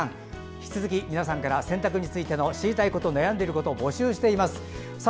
引き続き皆さんから洗濯についての知りたいこと、悩んでいること募集しております。